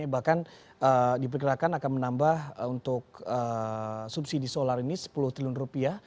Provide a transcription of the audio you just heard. bahkan diperkirakan akan menambah untuk subsidi solar ini sepuluh triliun rupiah